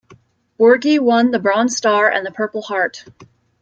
Borghi won the Bronze Star and the Purple Heart.